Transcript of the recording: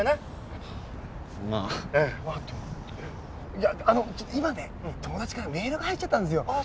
まあ今ね友達からメールが入っちゃったんですよ